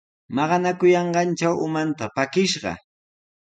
Maqanakuyanqantraw umanta pakiyashqa.